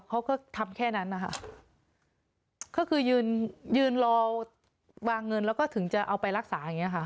เขาก็ทำแค่นั้นนะคะก็คือยืนยืนรอวางเงินแล้วก็ถึงจะเอาไปรักษาอย่างเงี้ค่ะ